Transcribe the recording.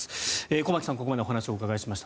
駒木さん、ここまでお話をお伺いしました。